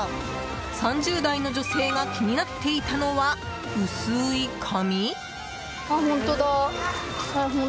３０代の女性が気になっていたのは薄い紙？